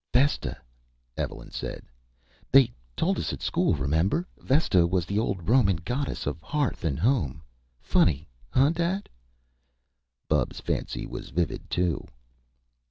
"Vesta," Evelyn said. "They told us at school remember? Vesta was the old Roman goddess of hearth and home. Funny hunh Dad?" Bubs' fancy was vivid, too.